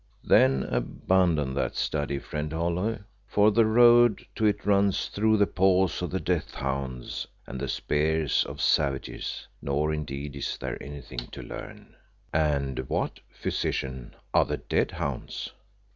"Then abandon that study, friend Holly, for the road to it runs through the paws of the death hounds, and the spears of savages. Nor indeed is there anything to learn." "And what, Physician, are the death hounds?"